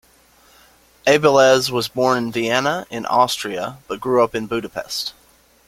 Abeles was born in Vienna, in Austria, but grew up in Budapest.